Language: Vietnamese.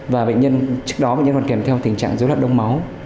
và bệnh nhân trước đó vẫn còn kèm theo tình trạng dối loạn đông máu